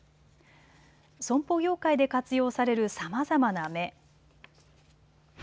損保業界で活用されるさまざまな目。